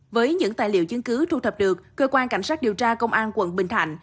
với những tài liệu chứng cứ thu thập được cơ quan cảnh sát điều tra công an quận bình thạnh